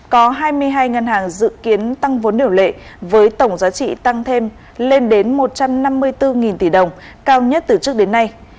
có hai mươi hai ngân hàng dự kiến tăng vốn điều lệ với tổng giá trị tăng thêm lên đến một trăm năm mươi bốn tỷ đồng cao nhất từ trước đến nay